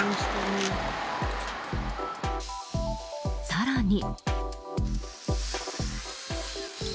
更に。